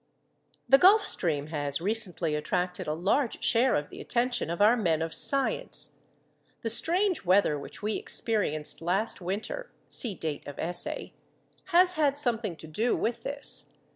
_ The Gulf Stream has recently attracted a large share of the attention of our men of science. The strange weather which we experienced last winter (see date of essay) has had something to do with this.